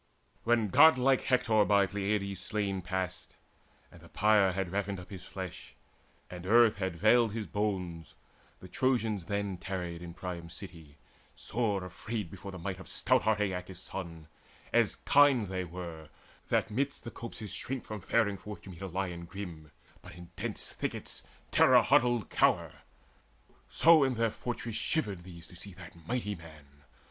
When godlike Hector by Peleides slain Passed, and the pyre had ravined up his flesh, And earth had veiled his bones, the Trojans then Tarried in Priam's city, sore afraid Before the might of stout heart Aeacus' son: As kine they were, that midst the copses shrink From faring forth to meet a lion grim, But in dense thickets terror huddled cower; So in their fortress shivered these to see That mighty man.